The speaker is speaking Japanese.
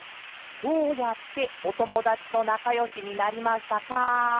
「どうやっておともだちとなかよしになりましたか？」。